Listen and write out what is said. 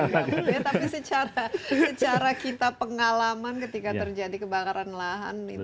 tapi secara kita pengalaman ketika terjadi kebakaran lahan itu